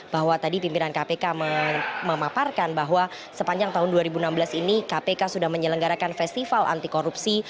bahwa tadi pimpinan kpk memaparkan bahwa sepanjang tahun dua ribu enam belas ini kpk sudah menyelenggarakan festival anti korupsi